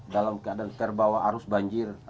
dalam keadaan terbawa arus banjir